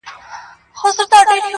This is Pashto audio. يار ليدلي بيګا خوب کي پيمانې دي-